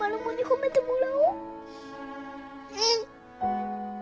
うん。